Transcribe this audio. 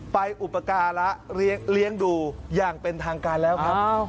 ไปอุปการณ์และเลี้ยงเลี้ยงดูอย่างเป็นทางการแล้วครับอ้าว